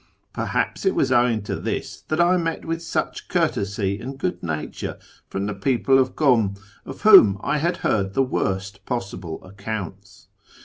Perhaps it was owing to this tliat I met with such courtesy and good nature from the people of Kum, of whom I had heard the worst possible accounts.